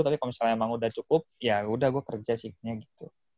tapi kalau misalnya memang udah cukup ya udah gue kerja sih kayaknya gitu